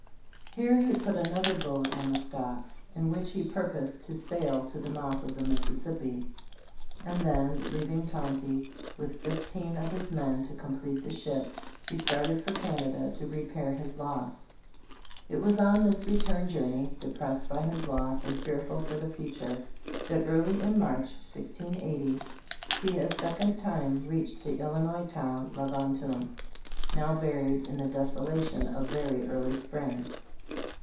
Here he put another boat on the stocks, in which he purposed to sail to the mouth of the Mississippi ; and then, leaving Tonty with fifteen of his men to complete the ship, he started for Canada to repair his loss. It was on this return journey, depressed by his loss and fearful for the future, that early in March, 1680, he a second time reached the Illinois town La Vantum, now buried in the desolation of very early spring.